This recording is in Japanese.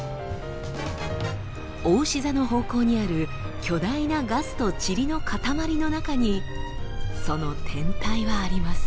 おうし座の方向にある巨大なガスとチリのかたまりの中にその天体はあります。